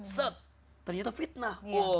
set ternyata fitnah